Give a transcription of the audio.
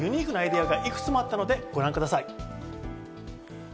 そのお店にはユニークなアイデアがいくつもあったのでご覧ください。